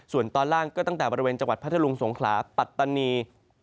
ส่วนตอนล่างก็ตั้งแต่บริเวณจังหวัดพัทธลุงสงขลาปัตตานี